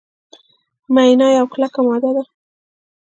مینا یوه کلکه ماده ده.